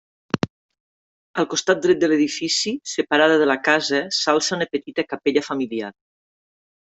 Al costat dret de l'edifici, separada de la casa, s'alça una petita capella familiar.